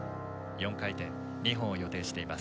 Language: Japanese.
４回転２本を予定しています。